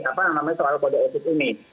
apa namanya soal kode etik ini